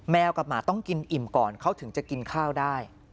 กับหมาต้องกินอิ่มก่อนเขาถึงจะกินข้าวได้